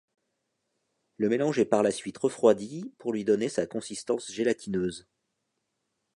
Le mélange est par la suite refroidi pour lui donner sa consistance gélatineuse.